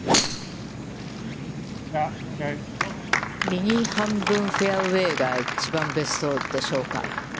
右半分、フェアウェイが一番ベストでしょうか。